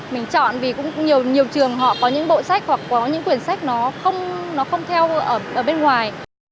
mình chọn vì cũng nhiều trường họ có những bộ sách hoặc có những quyển sách nó không theo ở bên ngoài